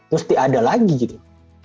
mesti ada lagi gitu